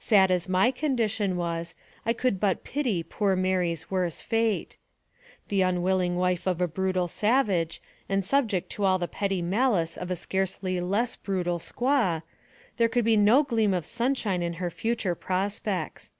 Sad as my condition was, I could not but pity poor Mary's worse fate. The unwilling wife of ' a brutal savage, and subject to all the petty malice of a scarcely less brutal squaw, there could be no gleam of sunshine AMONG THE SIOUX INDIANS. 117 in her future prospects.